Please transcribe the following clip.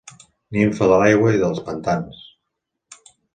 Nimfa de l'aigua i dels pantans.